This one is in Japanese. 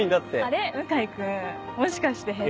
あれ向井君もしかして下手？